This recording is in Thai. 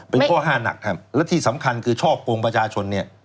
เป็นข้อหานักครับและที่สำคัญคือชอบกลงประชาชน